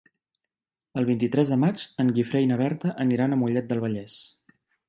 El vint-i-tres de maig en Guifré i na Berta aniran a Mollet del Vallès.